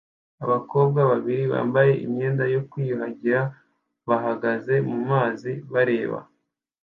Abakobwa babiri bambaye imyenda yo kwiyuhagira bahagaze mumazi bareba